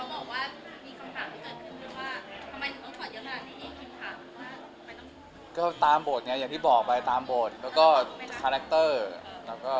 ก็เห็นเขาบอกว่ามีคำถามที่อื่นหรือไม่หรือว่า